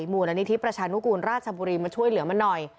มูลนิธิประชานุกูลราชบุรีมาช่วยเหลือมันหน่อย